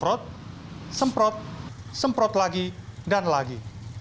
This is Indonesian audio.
semprot semprot semprot lagi dan lagi